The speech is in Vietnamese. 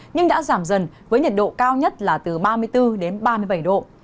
nhưng đã giảm dần với nhiệt độ cao nhất là từ ba mươi bốn đến ba mươi bảy độ